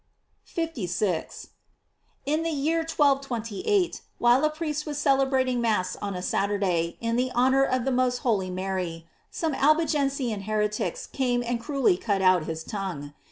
* 56. — In the year 1228, while a priest was cel ebrating Mass on a Saturday, in honor of the most holy Mary, some Albigensian heretics came and cruelly cut out his tongue.